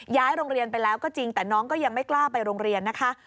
ย้ายโรงเรียนไปแล้วก็จริงแต่น้องก็ยังไม่กล้าไปโรงเรียนนะคะ